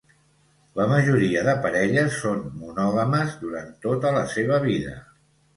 La majoria de parelles són monògames durant tota la seva vida.